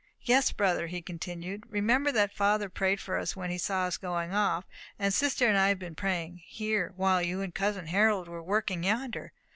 "Yes, brother," he continued, "remember that father prayed for us, when he saw us going off. And sister and I have been praying here, while you and cousin Harold were working yonder.